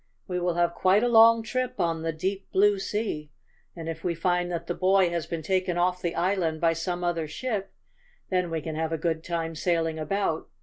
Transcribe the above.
We will have quite a long trip on the deep, blue sea, and if we find that the boy has been taken off the island by some other ship, then we can have a good time sailing about.